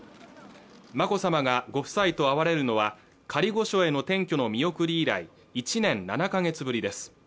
眞子さまがご夫妻と会われるのは仮御所への転居の見送り以来１年７か月ぶりです